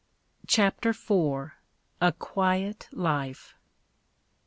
CHAPTER IV. A QUIET LIFE.